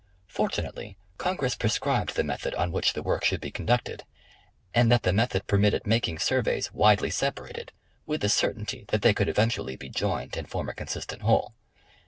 Fortunately Congress prescribed the method on which the work should be conducted, and that the method permitted making sur veys widely sej)arated with the certainty that they could eventu ally be joined and form a consistent whole.